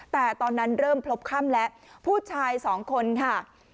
แต่ตอนนั้นเริ่มพบค่ำแล้วผู้ชายสองคนค่ะ